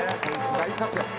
大活躍。